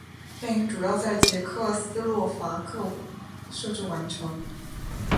电影主要在捷克斯洛伐克摄制完成。